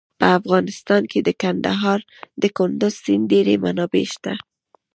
په افغانستان کې د کندز سیند ډېرې منابع شته.